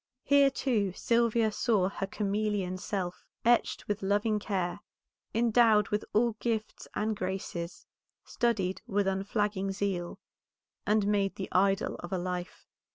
Here, too, Sylvia saw her chameleon self, etched with loving care, endowed with all gifts and graces, studied with unflagging zeal, and made the idol of a life.